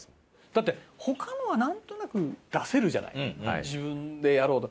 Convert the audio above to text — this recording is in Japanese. だって他のはなんとなく出せるじゃない自分でやろうと。